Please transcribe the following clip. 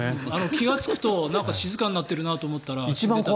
気がつくと静かになっていると思ったらと。